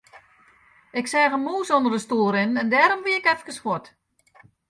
Ik seach in mûs ûnder de stoel rinnen en dêrom wie ik efkes fuort.